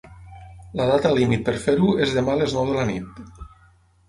La data límit per fer-ho és demà a les nou de la nit.